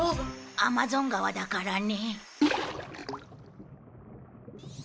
アマゾン川だからね。